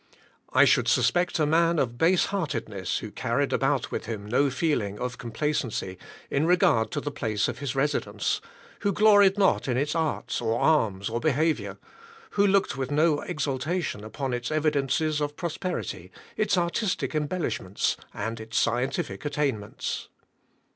I should suspect a man of base heartedness who carried about with him no feeling of complacency in regard to the place of his residence; who gloried not in its arts, or arms, or behavior; who looked with no exultation upon its evidences of prosperity, its artistic embellishments, and its scientific attainments.